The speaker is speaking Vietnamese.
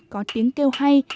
có tiếng kêu hay